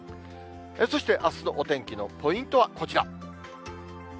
そしてあすのお天気のポイントはこちら。